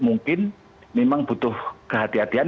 mungkin memang butuh kehatian kehatian